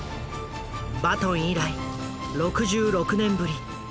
バトン以来６６年ぶり